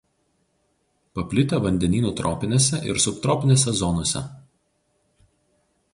Paplitę vandenynų tropinėse ir subtropinėse zonose.